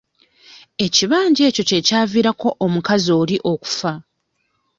Ekibanja ekyo kye kyaviirako omukazi oli okufa.